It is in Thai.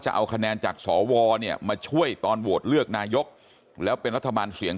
จะเอาคะแนนจากสวเนี่ยมาช่วยตอนโหวตเลือกนายกแล้วเป็นรัฐบาลเสียง